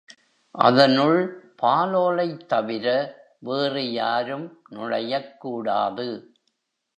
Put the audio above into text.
அதனுள் பாலோலைத் தவிர வேறு யாரும் நுழையக் கூடாது.